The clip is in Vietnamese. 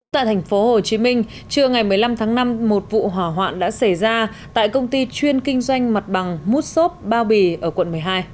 tại thành phố hồ chí minh trưa ngày một mươi năm tháng năm một vụ hỏa hoạn đã xảy ra tại công ty chuyên kinh doanh mặt bằng mút sốp bao bì ở quận một mươi hai